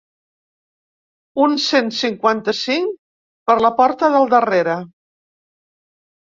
Un cent cinquanta-cinc ‘per la porta del darrere’